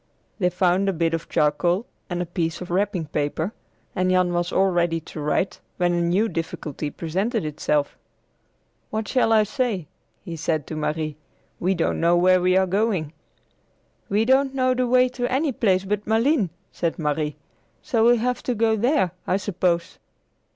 They found a bit of charcoal and a piece of wrapping paper, and Jan was all ready to write when a new difficulty presented itself. "What shall I say?" he said to Marie. "We don't know where we are going!" "We don't know the way to any place but Malines," said Marie; "so we'll have to go there, I suppose."